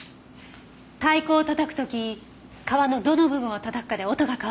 太鼓を叩く時皮のどの部分を叩くかで音が変わってくる。